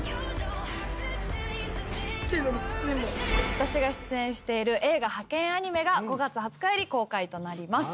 私が出演している映画『ハケンアニメ！』が５月２０日より公開となります。